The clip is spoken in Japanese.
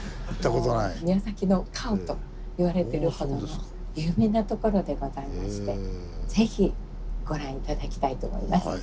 宮崎の顔と言われてるほどの有名なところでございまして是非ご覧頂きたいと思います。